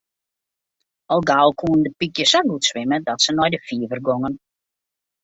Al gau koenen de pykjes sa goed swimme dat se nei de fiver gongen.